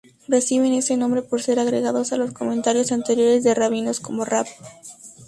Reciben ese nombre por ser agregados a los comentarios anteriores de rabinos como Rab.